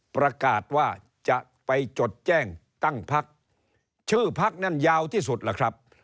ประกาศว่าจะไปจดแจ้งตั้งพักชื่อพักนั้นยาวที่สุดล่ะครับ